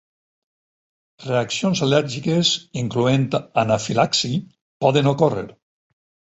Reaccions al·lèrgiques, incloent anafilaxi, poden ocórrer.